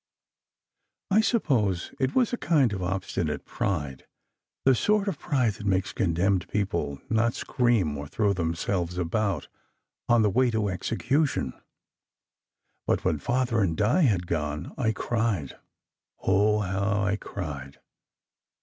I suppose it was a kind of obstinate pride, the sort of pride that makes condemned people not scream or throw themselves about on the way to execution. But when Father and Di had gone, I cried oh, how I cried!